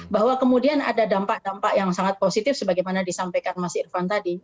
bahwa kemudian ada dampak dampak yang sangat positif sebagaimana disampaikan mas irvan tadi